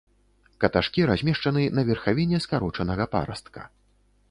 Каташкі размешчаны на верхавіне скарочанага парастка.